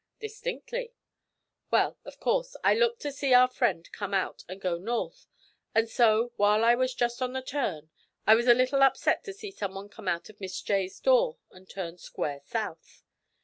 'Distinctly.' 'Well, of course, I looked to see our friend come out and go north; and so, while I was just on the turn, I was a little upset to see someone come out of Miss J.'s door and turn square south.